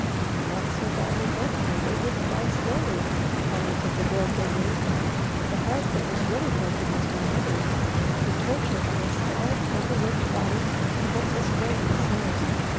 "Not so badly broken or they wouldn't die slowly," commented the Girl grimly. "The heart that was really broken was my mother's. The torture of a starved, overworked body and hopeless brain was hers.